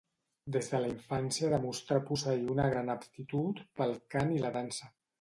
Des de la infància demostrà posseir una gran aptitud pel cant i la dansa.